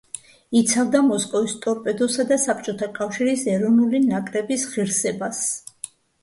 იცავდა მოსკოვის „ტორპედოსა“ და საბჭოთა კავშირის ეროვნული ნაკრების ღირსებას.